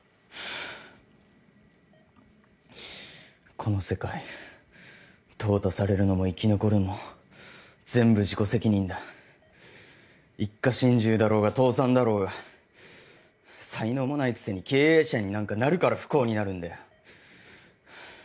この世界淘汰されるのも生き残るも全部自己責任だ一家心中だろうが倒産だろうが才能もないくせに経営者になんかなるから不幸になるんだよ